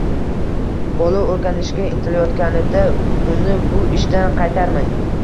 bola o‘rganishga intilayotganida uni bu ishidan qaytarmang.